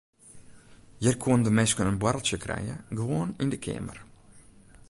Hjir koenen de minsken in boarreltsje krije gewoan yn de keamer.